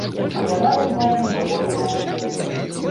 А яна, як бачым, даволі роўная.